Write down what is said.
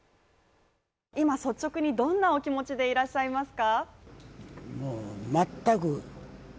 今率直にどんなお気持ちでいらっしゃいますか？